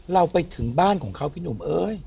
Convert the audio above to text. เราไปถึงบ้านของเขาพี่หนุ่มเอ้ย